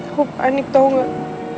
aku panik tau gak